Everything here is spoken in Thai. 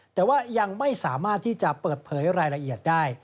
แต่ว่ายังไม่สามารถที่จะเปิดเผยรายละเอียดได้